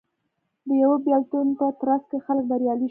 د یوه بېلتون په ترڅ کې خلک بریالي شول